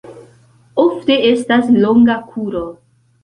Ofte estas longa kuro.